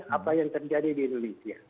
apa yang terjadi di indonesia